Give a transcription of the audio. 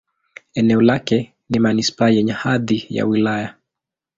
Eneo lake ni manisipaa yenye hadhi ya wilaya.